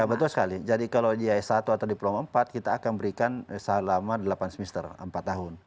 ya betul sekali jadi kalau dia s satu atau diploma empat kita akan berikan selama delapan semester empat tahun